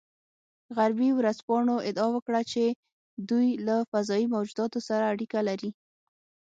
غربي ورځپاڼو ادعا وکړه چې دوی له فضايي موجوداتو سره اړیکه لري